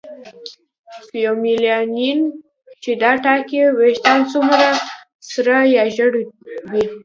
فیومیلانین چې دا ټاکي ویښتان څومره سره یا ژېړ وي.